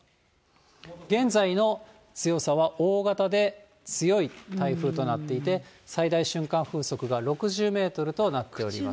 現在の強さは大型で強い台風となっていて、最大瞬間風速が６０メートルとなっております。